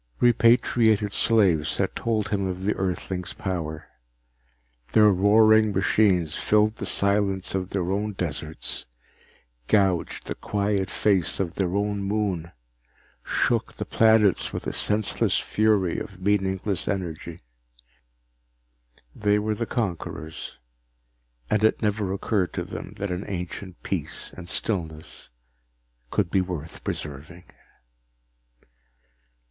Repatriated slaves had told him of the Earthlings' power. Their roaring machines filled the silence of their own deserts, gouged the quiet face of their own moon, shook the planets with a senseless fury of meaningless energy. They were the conquerors, and it never occurred to them that an ancient peace and stillness could be worth preserving.